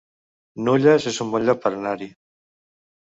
Nulles es un bon lloc per anar-hi